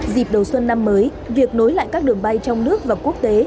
dịp đầu xuân năm mới việc nối lại các đường bay trong nước và quốc tế